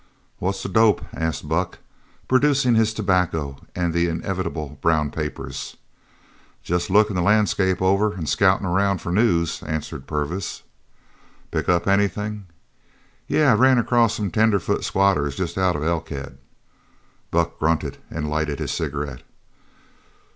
"What's the dope?" asked Buck, producing his tobacco and the inevitable brown papers. "Jest lookin' the landscape over an' scoutin' around for news," answered Purvis. "Pick up anything?" "Yeh. Ran across some tenderfoot squatters jest out of Elkhead." Buck grunted and lighted his cigarette.